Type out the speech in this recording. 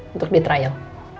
untuk di trial